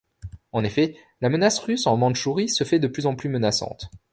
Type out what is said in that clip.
En effet, la menace russe en Mandchourie se fait de plus en plus menaçante.